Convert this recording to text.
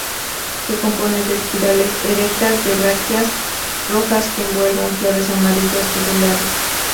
Se compone de espirales erectas de brácteas rojas que envuelven flores amarillas tubulares.